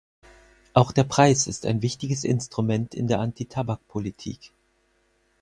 Auch der Preis ist ein wichtiges Instrument in der Antitabakpolitik.